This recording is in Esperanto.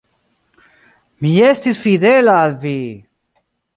Mi estis fidela al vi!..